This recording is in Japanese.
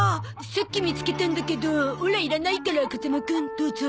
さっき見つけたんだけどオラいらないから風間くんどうぞ。